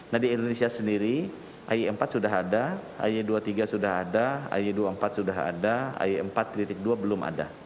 nah di indonesia sendiri ay empat sudah ada ay dua puluh tiga sudah ada ay dua puluh empat sudah ada ay empat dua belum ada